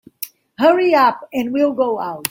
Hurry up and we'll go out.